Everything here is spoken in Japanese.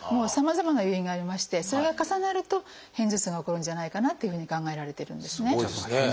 さまざまな誘因がありましてそれが重なると片頭痛が起こるんじゃないかなというふうに考えられているんですね。